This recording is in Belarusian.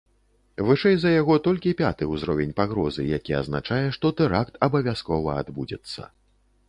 Вышэй за яго толькі пяты ўзровень пагрозы, які азначае, што тэракт абавязкова адбудзецца.